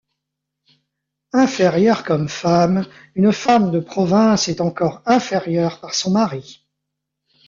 Inférieure comme femme, une femme de province est encore inférieure par son mari.